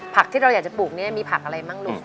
ผักที่เราอยากจะปลูกเนี่ยมีผักอะไรบ้างลูก